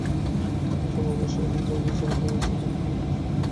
ইন্দ্রিয়সমূহ বশে এনে আমরা ইচ্ছামত এই অবস্থালাভ করবার অভ্যাস করতে পারি।